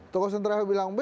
tokoh sentralnya bilang b